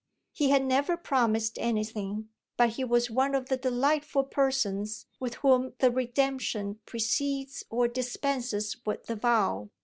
He had never promised anything, but he was one of the delightful persons with whom the redemption precedes or dispenses with the vow.